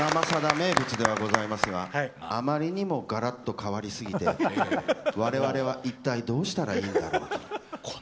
名物ではございますがあまりにもガラッと変わりすぎて我々は一体どうしたらいいんだろうと。